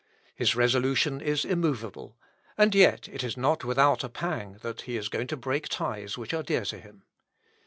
His resolution is immovable, and yet it is not without a pang he is going to break ties which are dear to him.